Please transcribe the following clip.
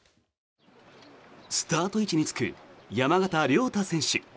スタート位置につく山縣亮太選手。